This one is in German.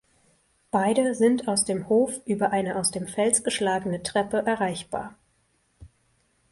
Beide sind aus dem Hof über eine aus dem Fels geschlagene Treppe erreichbar.